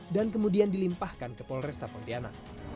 dan kemudian dilimpahkan ke polrestapontiana